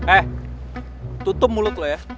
eh tutup mulut loh ya